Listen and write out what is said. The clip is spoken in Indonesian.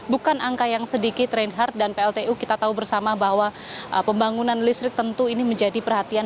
bukan angka yang sedikit reinhardt dan pltu kita tahu bersama bahwa pembangunan listrik tentu ini menjadi perhatian